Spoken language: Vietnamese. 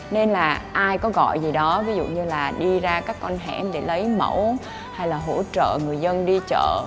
mình có gọi gì đó ví dụ như là đi ra các con hẻm để lấy mẫu hay là hỗ trợ người dân đi chợ